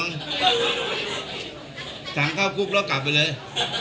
สั่งเข้ากุมศักยาหันบกแล้วกลับไปเลย